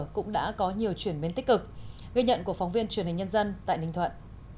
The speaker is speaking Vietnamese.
cũng đã có nhiều chuyển biến tích cực ghi nhận của phóng viên truyền hình nhân dân tại ninh thuận